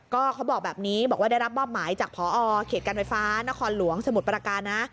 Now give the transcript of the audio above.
ก็เขาบอกแบบนี้บอกว่าได้รับมอบหมายจากพอเขตการไฟฟ้านครหลวงสมุทรประการนะ